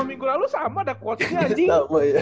sama minggu lalu sama ada quotes nya anjing